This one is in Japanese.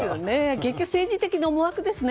結局、政治的な思惑ですね。